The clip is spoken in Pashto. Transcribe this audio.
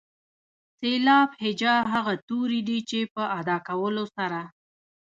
سېلاب هجا هغه توري دي چې په ادا کولو سره.